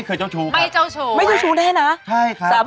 เราเชื่อเลยนะครับ